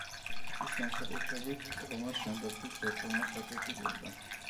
ის განსაკუთრებით ობამას ჯანდაცვის რეფორმას აკრიტიკებდა.